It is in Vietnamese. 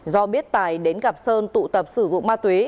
do biết tài đến gặp sơn tụ tập sử dụng ma túy